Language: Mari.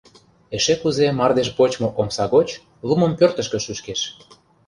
Эше кузе мардеж почмо омса гоч лумым пӧртышкӧ шӱшкеш.